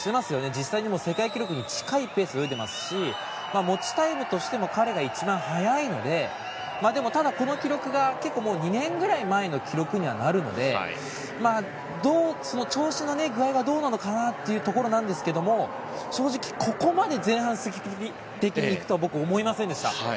実際に世界記録に近いペースで泳いでいますし持ちタイムとしても彼が一番速いのででも、ただこの記録が２年ぐらい前の記録にはなるので調子の具合はどうなのかというところなんですが正直、ここまで前半積極的に行くとは僕、思いませんでした。